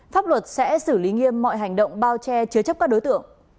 pháp luật sẽ xử lý nghiêm mọi hành động bao che chứa chấp các đối tượng